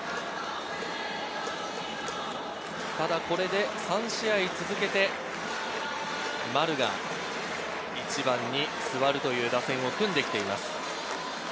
ただこれで３試合続けて丸が１番に座るという打線を組んできています。